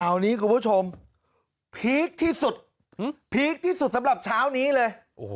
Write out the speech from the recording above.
เอานี้คุณผู้ชมพีคที่สุดพีคที่สุดสำหรับเช้านี้เลย